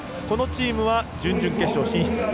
このチームは準々決勝進出。